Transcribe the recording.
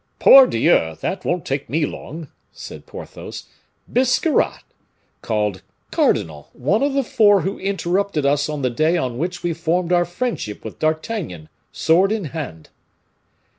"Pardieu! that won't take me long," said Porthos. "Biscarrat called Cardinal one of the four who interrupted us on the day on which we formed our friendship with D'Artagnan, sword in hand."